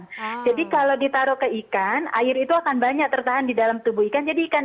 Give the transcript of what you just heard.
nah jadi kalau ditaruh ke ikan air itu akan banyak tertahan di dalam tubuh ikan jadi ikan